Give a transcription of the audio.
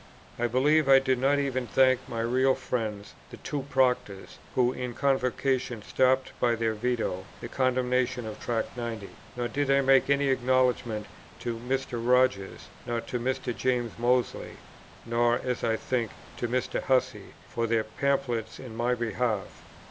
I believe I did not even thank my real friends, the two Proctors, who in Convocation stopped by their Veto the condemnation of Tract 90; nor did I make any acknowledgment to Mr. Rogers, nor to Mr. James Mozley, nor, as I think, to Mr. Hussey, for their pamphlets in my behalf.